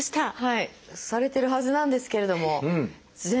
されてるはずなんですけれども全然小さくて。